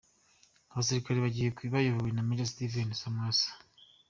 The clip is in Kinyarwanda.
Abasirikare bagiye bayobowe na Major Steven Semwaga.